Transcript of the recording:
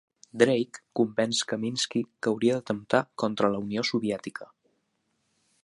Drake convenç Kaminsky que hauria d'atemptar contra la Unió Soviètica.